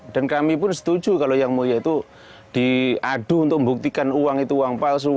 dan kami pun setuju kalau yang mulia itu diadu untuk membuktikan uang itu uang palsu